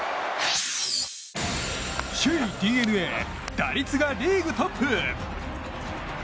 首位ＤｅＮＡ打率がリーグトップ。